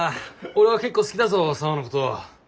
俺は結構好きだぞ沙和のこと。